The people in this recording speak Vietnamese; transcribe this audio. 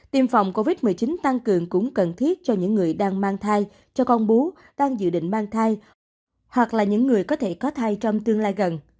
tiêm phòng covid một mươi chín tăng cường cũng cần thiết cho những người đang mang thai cho con bú đang dự định mang thai hoặc là những người có thể có thai trong tương lai gần